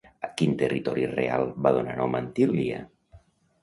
A quin territori real va donar nom Antillia?